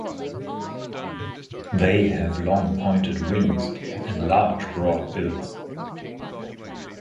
They have long pointed wings and large broad bills.